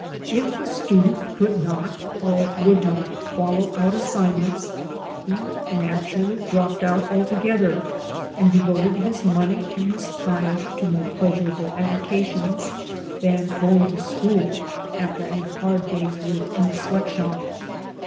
If a student could not or would iiot follow out assignments, he naturally dropped out altogether and devoted his money and his time to more pleasurable avocations 13 168 AN AMERICAN IN THE MAKING than going to school after a hard day's work in the sweat shop.